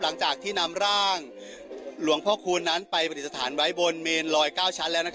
หลังจากที่นำร่างหลวงพ่อคูณนั้นไปประติศาสตร์ไว้บนเมนลอยเก้าชั้นแล้วนะครับ